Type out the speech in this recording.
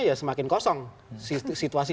ya semakin kosong situasi